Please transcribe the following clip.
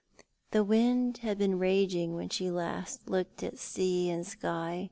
The wind had been raging when she last looked at sky and sea.